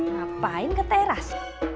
ngapain ke teras